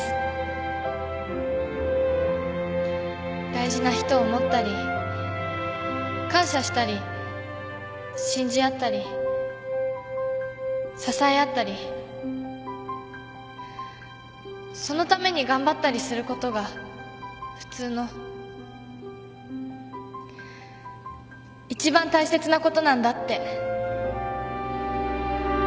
大事な人を思ったり感謝したり信じ合ったり支え合ったりそのために頑張ったりすることが普通の一番大切なことなんだって。